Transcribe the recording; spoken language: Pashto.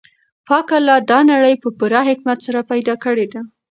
پاک الله دا نړۍ په پوره حکمت سره پیدا کړې ده.